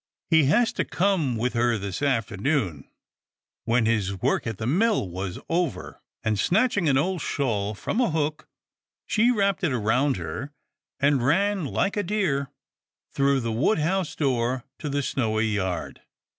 He was to come with her this afternoon, when his work at the mill was over," and, snatching an old shawl from a hook, she wrapped it round her, and ran like a deer through the wood house door to the snowy yard.